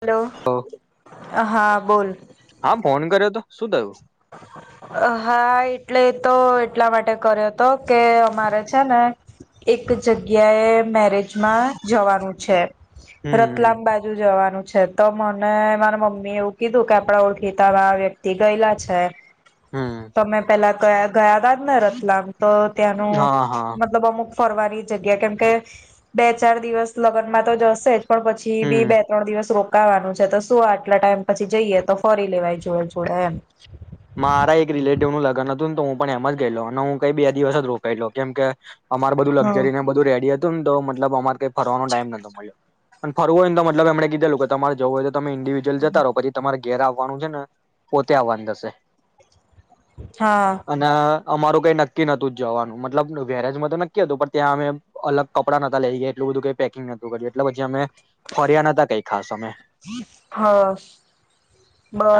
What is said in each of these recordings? Hello. હા બોલ. હા ફોન કર્યો હતો શું દયુ? અહા, એટલે એ તો એટલા માટે કર્યો તો કે અમારે છે ને એક જગ્યા એ મેરેજમાં જવાનું છે. હમ રતલામ બાજુ જવાનું છે. તો મને મારા મમ્મી એવું કીધું કે આપડા ઓળખીતા વ્યક્તિ ગયેલા છે. હમ તો મેં પેલાં ગયા ગયા બાદ ને રતલામ. તો ત્યાંનું હા હા મતલબ અમુક ફરવાની જગ્યા કેમ કે બે ચાર દિવસ લગ્નમાં તો જશે જ. પણ પછી બી હમ બે ત્રણ દિવસ રો ખાવાનું છે તો શું આટલા ટાઈમ પછી જઈએ તો ફરી લેવાય જોડે જોડે એમ. મારા એક રિલેટિવ નું લગ્ન હતુંને તો હું પણ એમ જ ગયેલો અને હું કઈ બે દિવસ જ રોકાઈલો કેમ કે અમાર બધું હમ લક્ઝરીને બધું રેડી હ મતલબ અમાર કઈ ફરવાનો ટાઈમ નોતો મયલો અને ફરવો હો ને તો મતલબ એમણે કીધેલુ કે તમારે જવું હોય તો તમે ઇન્ડિવિડુઅલ જતા રહો પછી તમારી ઘેર આવવાનું છે ને પોતે આવવાનું થશે. હા અને અમારું કઈ નક્કી નતું જવાનું મતલબ વેરેજમાં તો નક્કી હતું પણ ત્યાં અમે અલગ કપડાં નતા લઈ ગયા એટલું બધું કઈ પેકિંગ નતું કર્યું એટલે પછી અમે ફર્યા નતા કઈ ખાસ અમે હા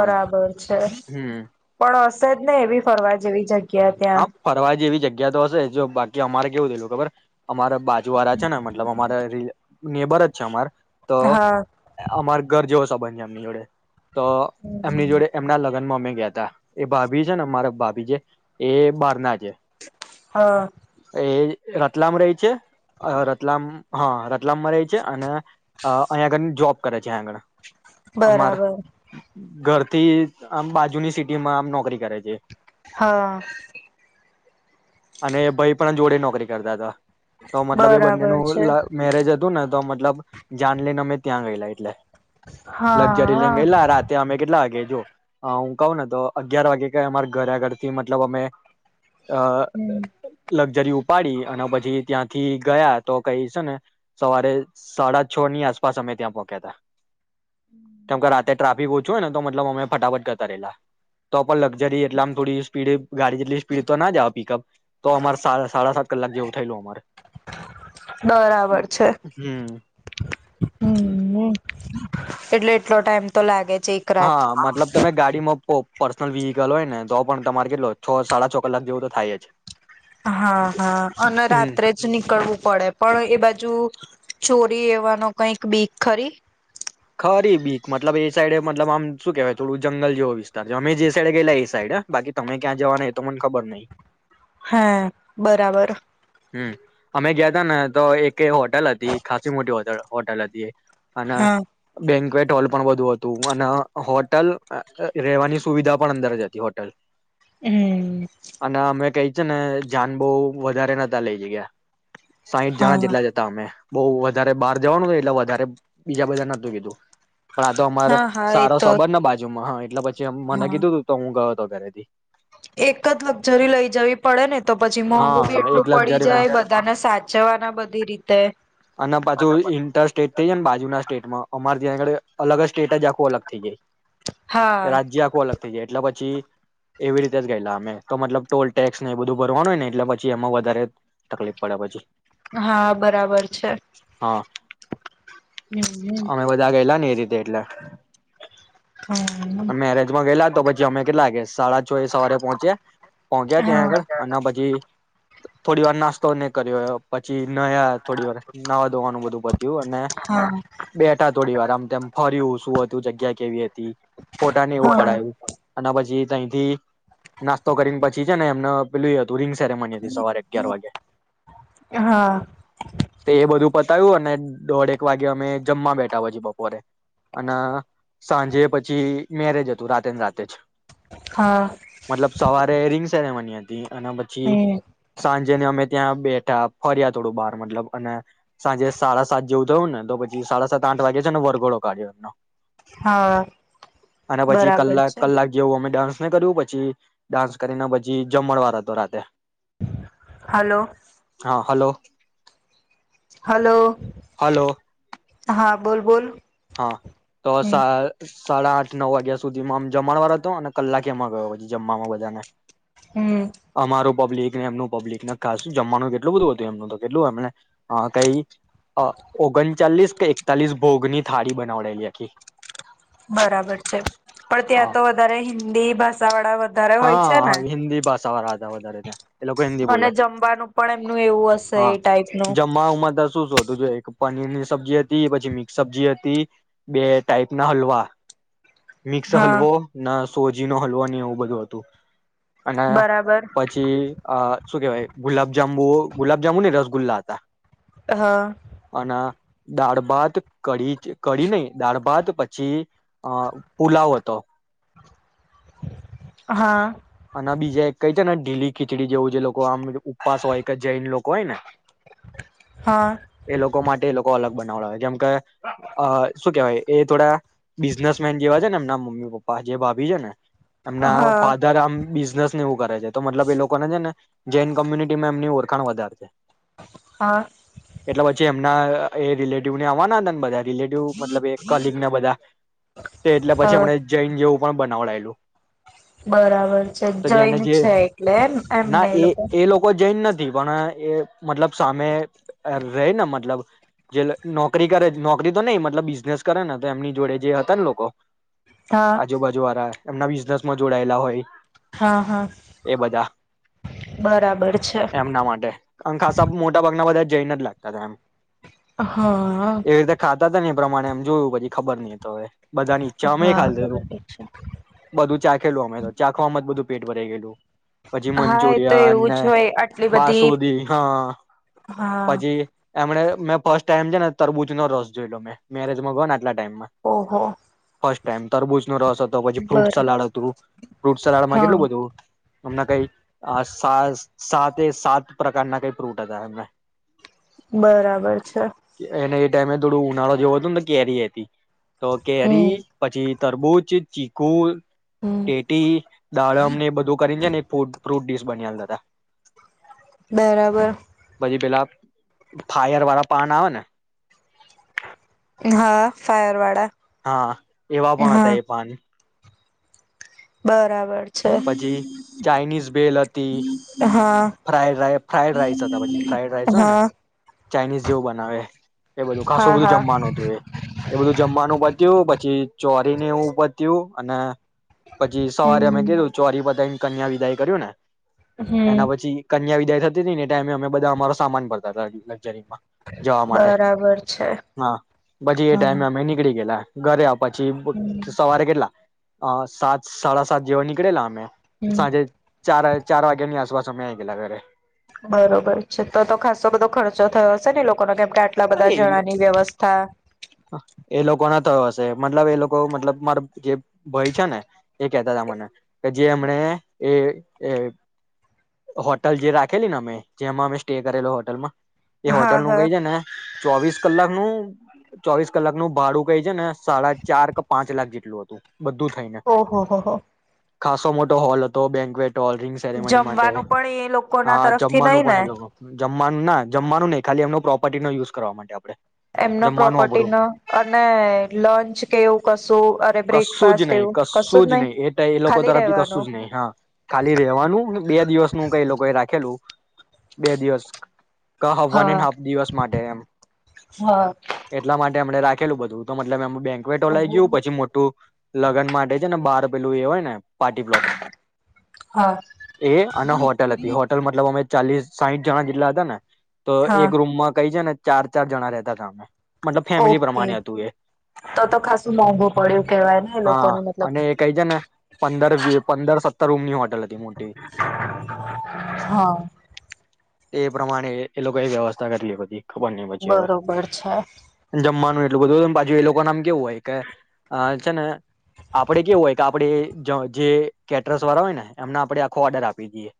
એમ છે. હમ પણ હશે જ ને એવી ફરવા જેવી જગ્ હા ફરવા જેવી જગ્ ગ્યા તો હશે જો બાકી અમારે કેવું થેલું ખબર અમારે બા જોવારા છે ને મતલબ અમારે નેબર જ છે અમાર તો હા અમાર ઘર જેવો સબધ. ન્યાં મિલડે. તો એમની જોડે એમના લ લગ્ન માં અમે ગયા તા. એ ભાભી છે ને અમારા ભાભી જે એ બારના છે. હા. એ રતલામ રે છે, અહ રતલામ હા, રતલામ રતલામમા રે છે અને અહ અહીંયા કને આગળ જોબ કરે છે, અહીયા આગળ અમાર બરાબર. ઘરથી આમ બાજુની સિટીમાં આમ નોકરી કરે છે. હા. અને ભઈ પણ જોડે નોકરી કરતા હતા. તો મતલબ એ બંને બરાબર નું છે લવ મેરેજ હતું ને તો મતલબ જાન લઈને, અમે ત્યાં ગયેલા એટલે લક્ઝરી હા લઈને ગયેલા, રાતે અમે કેટલા વાગ્યા જો અહ હું કવને તો અગિયાર વાગે ક અમારા ઘરે આગળથી મતલબ અમે અહ હમ્મ. લક્ઝરી ઉપાડી અને પછી ત્યાંથી ગયા, તો કઈ છે ને સવારે સાડા છ ની આસપાસ અમે ત્યાં પોહોક્યા તા. કેમકે રાતે ટ્રાફિક ઓ છુ હોઈને તો મતલબ અમે ફટાફટ કરતા રેલા, તો પણ લક્ઝરી એટલે આમ થોડી સ્પીડ ગાડી જેટલી સ્પીડ તો ના જ આવે પિકઅપ તો અમારે સાડા સાડા સાત કલાક જેવું થયેલું, અમારે બરાબર છે, હમ હમ્મ એટલે એટલો ટાઈમ તો લાગેજ. હા મતલબ તમે ગાડીમાં પોપ પર્સનલ વિહકલ હોય ને તો પણ તમારે કેટલો છ સાડા છ કલાક જેવું તો થાય જ હા હા અને હમ રાત્રે જ નીકળવું પડે પણ એ બાજુ ચોરી એવાનો કઈક બીક ખરી ખરી બી મતલબ એ સાઈડે મતલબ આમ શું કહેવાય થોડું જંગલ જેવો વિસ્તાર છે અમે જે સાઈડે ગયલા એ સાઈડ બાકી તમે ક્યાં જવા ન તો મને ખબર નહી. હા બરાબર. હમ્મ અમે ગયા હતા ને તો એક હોટલ હતી ખાસી મોટી હોટલ હોટલ હતી હના હા બેન્કવેટ હોલ પણ બધું હતું અને હોટલ અ રહેેવાની સુવિધા પણ અંદર જ હતી હોટલ હમ અને અમે કઈ છે ને જાન બહુ વધારે નતા લઈ ગયા સાઇઠ જણા હા જેટલા જતા અમે બહુ વધારે બહાર જવાનું છે એટલે વધારે બીજા બધાના તું કીધું પણ આ તો અમારે હા હા એ સારો તો સબર ને બાજુમાં હા [unintelligible] પછ જેમ મને હા કીધું તું તો હું ગ તો ઘરે થી. એક જ લક્ઝરી લઈ જવી પડે ને તો પછી મોંઘુ હા બી એક એટલું પડી જાય લક્ઝરીમાં બધાને સાચવાના બધી રીતે અને પાછું અમાર જ્યાં આગળ અલગ જ સ્ટેટ જ આખું અલગ થઈ જાય. હા રાજ્ય આખું અલગ થઈ જાય એટલે પછી એવી રીતે જ ગયેલા અમે તો મતલબ ટોલ ટેક્સ ને બધું બ ધો ને હોયને એટલે પછી એમાં વધારે તકલીફ પડે પછી. હા, બરાબર છે. હા. હમ અમે બધા ગયેલા ને એ રી તે એટલે. હમ અ મેરેજમાં ગયેલા તો પછી અમે કેટલા વાગ્યા સાડા છો એ સવારે પહોંચ્યા હા પહોંચ્યા ત્યાં આગળ હા અના પછી થોડી વાર નાસ્તો ને કર્યો પછી નયા થોડી વાર નવા દોવાનું બધું થીયુ અને હા બેઠા થોડી વાર આમ તેમ ફર્યું શું હતું જગ્યા કેવી હતી પોટા ને એવું પડાયું અના પછી તઈથી નાસ્તો કરીને પછી છે ને એમને પેલી હતું રિંગ સેરેમની હતી સવારે અગયાર વાગે. હા. તે એ બધું પતાયું અને દોઢેક વાગે અમે જમવા બેઠા પછી બપોરે અને સાંજે પછી મેરેજ હતું રાતે ને રાતે જ. હા મતલબ સવાર રિંગ સેરેમન હતી. એના પછી હમ સાંજે ને અમે ત્યાં બેઠા ફર્યા થોડું બાર મતલબ અને સાંજે સાડા સાત જેવું થયું ને તો પછી સાડા સાત આઠ વાગે છે ને વરઘોડો કાઢ્યો એમનો. હા. અને પછી બરાબર કલાક છે કલાક જેવું અમે ડાન્સ કર્યું પછી ડાન્સ કરીને પછી જમણ વાર હતો રાતે. હલો હા હાલો. હાલો. હલો હા બોલ બોલ. હા તો હમ સા સાડા આઠ નવ વાગ્યા સુધીમાં આમ જમણ વાળ હતો અને કલાકે એમાં ગયો પછી જમવામાં બધાને. હમ્મ. બ્લીકને એમ પબ્લિકને ખાસ જમવાનું કેટલું બધું હતું એમનું તો કેટલું એમને કઈ ઓગણચાલીસ કે એકતાલીસ ભોગની થાળી બનાવડેલી આખી. બરાબર છે. પણ હા ત્યાં તો વધારે હિન્દી ભાષા વાળા વ ધારા હોય છે ને. બસ સવા હતા વધારે ત્યાં. એ લોકો હિન્દી અને બોલે જમવાનું પણ એમનું એવું હશે હા એ ટાઈપનું. જમવામાં તો શું શું હતું જો એક પનીર ની સબ્જી હતી પછી મિક્સ સબ્જી હતી બે ટાઈપ ના હલવા મિક્સ હા હલવો ના સોજી નો હલવા ન એવું બધું હ તું. અને બરાબર પછી આહ શું કેવાય ગુલાબ જાંબુ ગુલાબ જાંબુ નહીં રસગુલ્લા હતા. હા. અને દાળ ભાત કઢી ચ કઢી નહી દાળ ભાત પછી અહ પુલાવ હતો. હા. અને બીજા એક કઈ છે ને ઢીલી ખીચડી જેવું જે લોકો આમ ઉપવાસ હોય કે જૈન લોકો હોય ને હા એ લોકો માટ તે લોકો અલગ બનાવડાય જેમ કે અહ શું કેવાય એ થોડા બિઝનેસમેન જેવા છે ને એમના મમ્મી પપ્પા જે ભાભી છે ને એમના ઓ હા પા બિઝનેસ ને એવું કરે છે તો મતલબ એ લોકોને છે ને જૈન કોમ્યુનિટીમાં એમની ઓળખાણ વધારે છે. હા એટલે પછી એમ ના એ રિલેટિવ ને અવાના ના બધાએ રિલેટિવ મતલબ એ કલીગ ને બધા તે એટલે પછી હા હમણે જેઈન જેવું પણ બનાવડાયેલલું બરાબર છે જૈન છે એટલે એમ એમને એ લોકો. થી પણ એ મતલબ સામે અહ રે ને મતલબ જે નોકરી કરે નોકરી તો નઈ મતલબ બિઝનેસ કરે ને તો એમની જોડે જે હતા ને લોકો હા આજુબાજુ વારા એમના બિઝનેસ માં જોડાયેલા હોય હા હા એ બધા બરાબર છે એમના માટે ખાસ મોટા ભાગના બધા જઈ ને જ લાગતા તા એમ. હા આ. તા ને એ પ્રમાણે એમ જોયું પછી ખબર નહીં તો એ હવે. બધા ની ચા અમે હા ખાલ દેહુ બરોબર છે બધું ચાખેલું અમે તો. આમ જ બધું પેટ ભરાઈ ગયલું. પછી હા એ તો મંચુરિયન એવું ને જ હોય આટલી બધી બાસુદી હા હા પછી એમણે મેં ફર્સ્ટ ટાઈમ છે ને તરબૂજ નો રસ જોઈ લો મેં મેરેજમાં ગયો ને ના ટાઈમ માં ઓહો ફર્સ્ટ ટાઈમ તરબૂચ નો રસ હતો પછી ફ્રૂટ બર સલાડ હતું. ફ્રૂટ સલાડમાં હા કેટલું બધું અમના કઈ અ સાસ સાતે સાત પ્રકારના કઈ ફ્રૂટ હતા એમને બરાબર છે. તેમણે થોડું ઉનાળો જોવો હતું ને તો કેરી એ હતી. તો હમ કેરી પછી તરબૂત, ચીકુ હમ એટ [unintelligible] દાડમ ને એ બધું કરીને છે ને ફૂટી ફ્રૂટ ડીશ બનયાલતા તા બરાબર પછી પેલા ફાયર વાળા પાન આવે ને હા ફાયરવાડા હા એવા પણ હતા એ પાન બરાબર. છે પછી ચાાઈનીઝ ભેલ હતી હા ફ્રાઈડ રાઈ ફ્રાઈડ રાઈસ હતા પછી ફ્રાઈડ રાઈસ હોય ને હા ચાાઈનીઝ જેવું બનાવે એ બધું ખાસું હા બધું હા જમવાનું હતું એ એ બધું જમવાનું પત્યું પ પછી ચોરીને એવું પત્યું અને પછી સવારે અમે હમ ગેલુ ચોરી પતાયને કન્યા વિદાય કર્યું ને હમ એના પછી કન્યા વિ તૈયારી થતી હતી એને ટાઈમે અમે બધા અમારો સામાન ભરતા હતા એટલે જરીક માં જવા માટે બરાબર છે હા પછી એ હા ટાઈમે અમે નીકળી ગેયલા. ઘરે આપ હમ પછી સવારે કેટલા અ સાત સાડા સાત જેવા નીકળેલા અમે હમ સાંજે ચાર ચાર વાગ્યાની આસપાસ તમે ગેયલા ઘરે બરોબર છે તો તો ખાસો બધો ખર્ચો થયો હશે ને એ લો કોને કેમ કે આટલા બધા જણાની વ્યવસ્થા એ લોકો ના થયો હશે મતલબ એ લોકો મતલબ માર જે ભાઈ છે ને એ કેહતા હતા મને કે જે એમને એ એ હોટલ જે રાખેલી ને અમે જેમાં અમે સ્ટે કરેલો હોટલમાં એ હા હોટલ નું હા કઈ છે ને ચોવીસ કલાક નું ચોવીસ કલાક નું ભાડું કઈ છે ને સાડા ચાર કે પાંચ લાખ જેટલું હતું બધું થઈને ઓહ હો હો. ખાસો મોટો હોલ હતો બેન્કવેટ ટો રિંગ સેરેમની માટે જમવાનું પણ એ લોકો ના હા તરફથી નઈ જમવાનું ને પણ એ લોકો જમવાનું ના જમવાનું નઈ. ખાલી એમનો પ્રોપર્ટી નો યુસ કરવા માટે આપડે. એમનો જમવાનું પ્રોપર્ટી આપડું ન અને લંચ કેવું કશું અરે કશું બ્રેકફાસ્ટ જ નહી કેવું કશું જ નહી એ એ લોકો ખાલી તરફથી કશું રહેવાનું. જ નહી હા ખાલી રેવાનું બે દિવસનું કઈ લોકો એ રાખેલું બે દિવસ ક હ વન હા એન્ડ હાફ દિવસ માટે એમ. હા એટલા માટે એમણે રાખ ખેલું બધું તો મતલબ એમ બેન્કવેટ હોલ આઈ ઓહો ગયું પછી મોટું લગન માટે છે ને બાર પેલું એ હોય ને પાર્ટી પ્લોટ હા એ અને હોટલ હતી હોટલ મતલબ ઓમે ચાલીસ સાહીઠ જણા જેટલા હતા ને તો હા એક રૂમમાં કઈ છે ને ચાર ચાર જણા રે તાતા અમે. મતલબ ફેમિલી ઓકે પ્રમાણે હતું એ તો તો ખાસું મોંઘુ પડ્યું કેવાય ને એ હા લોકોને મતલબ. અને એ તર રૂમની હોટલ હ હ. એ પ્રમાણે એ લોકોએ વ્યવસ્થા કરી બધી. ખબર નહ પછી હવે બરોબર છે. જમવાનું એટલું બધું તું ને પાછું એ લોકો નામ કેવું હોય કે છે ને આપડે કેવું હોય કે આપણે જે કેટર્સ વાળા હોય ને એમને આપડે આખો ઓર્ડર આપી દઈએ.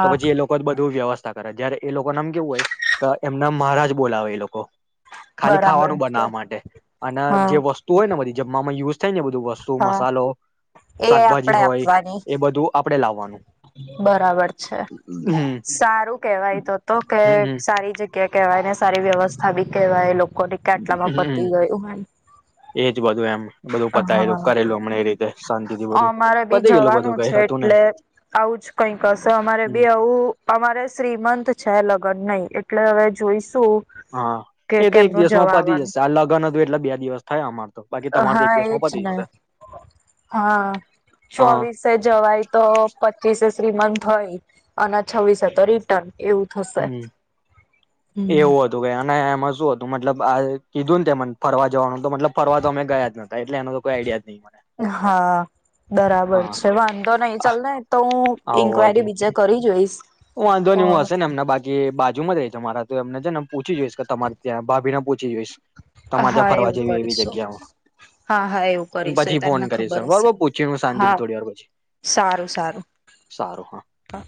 તો પછી એ લોકો જ બધું વ્યવસ્થ તા કરે જયારે એ લોકો ના એમ કેવું હોય કે એમને મહારાજ બોલાવે એ લોકો ખાલી બરાબર ખાવાનું છે બનાવવા માટે અને જે હા વસ્તુ હોય ને બધી જમવામાં યુઝ થઈ ને બધું વસ્તુ હા મસાલો એ આપડે શાકભાજી હોય આપવાની એ બધું આપડે લાવાનુ. બરાબર છે હમ સારું કેવાય તો તો કે હમ સારી જગ્યા કેવાય ને સારી વ્યવસ્થા બી કહેવાય લો કોની કે આટલામાં પતી ગયું હ એ હા એ રીતે શાંતિથી બધું અમારે બી પતી ગયેલું બધું જવાનું કઈ છે હતું ને એટલે આવુંજ કઈ હશે અમારે બી આવું અમારે શ્રીમંત છે લગ્ન નહી એટલે હવે જોઈશ હા એ તો એક દિવસમાં પતી આવવાનું જશે આ લગ્ન એટલા બે દિવસ થાય અમાર તો બાકી તમાર તો એક હા દિવસમાં એજ પતી ને જશે હા હા ચોવીસે જવાય તો પચીસે શ્રીમંત હોય અને છવ્વીસ એતો રિટર્ન એવું થશે હમ એવું હમ હતું કેઈ અને એમાં શું હતું મતલબ આ કીધું ને તે મને ફરવા જવાનું મતલબ ફરવા તો અમે ગયા જ નતા એટલે એનો તો કોઈ આઈડિયા જ નહ મને હા બરાબર હા છે વાંધો નહી ચાલ ને તો હું ઇન્ક્વાયરી બીજા કરી જોઈશ હું વાંધો નને હું હશે અ એમના બાકી બાજુ જ તમારા તો એમને છે ને પૂછી જોઈશ કે તમારી ત્યાં ભાભીને પૂછી જોઈશ તમારે ત્યાં હા ફરવા એવું જેવી એવી કરીશું જગ્યાઓ હા હા એવું પછી કરીશું તમને ફોન કરીશ ખબર તને હશે બરોબર પૂછી હું હા શાંતિથી થોડી વાર પછી સારું સારું હા